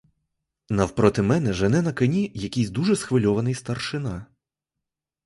Навпроти мене жене на коні якийсь дуже схвильований старшина.